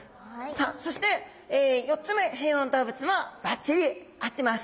さあそして４つ目変温動物もばっちり合ってます。